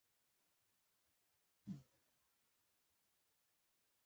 جرګه ټولنیزې ستونزې او شخړې حلوي